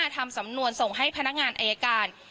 ทำสำนวนส่งให้พนักงานอายการ